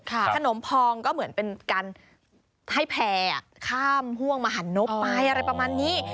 ขนมพองก็เหมือนเป็นการให้แพร่ข้ามห่วงมหันนบไปอะไรประมาณนี้